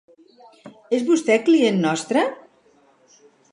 És vostè client nostre?